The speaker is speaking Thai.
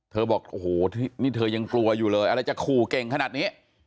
บอกโอ้โหนี่เธอยังกลัวอยู่เลยอะไรจะขู่เก่งขนาดนี้